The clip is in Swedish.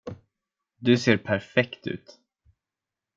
Du ser perfekt ut.